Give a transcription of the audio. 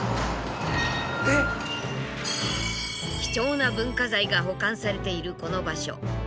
貴重な文化財が保管されているこの場所。